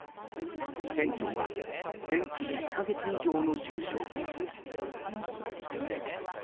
店長は全治１か月以上の重傷です。